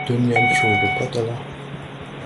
Dunyan coo gɔ patala.